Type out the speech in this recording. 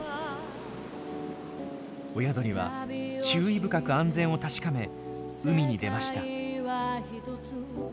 親鳥は注意深く安全を確かめ海に出ました。